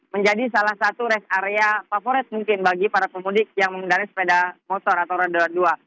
menjadi salah satu rest area favorit mungkin bagi para pemudik yang mengendari sepeda motor atau roda dua